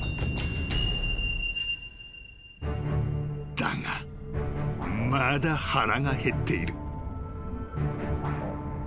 ［だがまだ腹が減っている］